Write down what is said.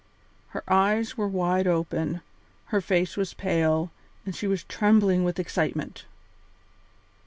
Her eyes were wide open, her face was pale, and she was trembling with excitement.